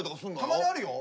たまにあるよ。